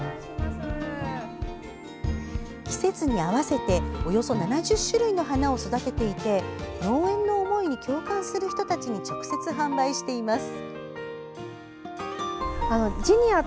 季節に合わせておよそ７０種類の花を育てていて農園の思いに共感する人たちに直接販売しています。